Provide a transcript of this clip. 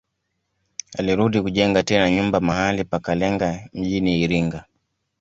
Alirudi kujenga tena nyumba mahali pa Kalenga mjini Iringa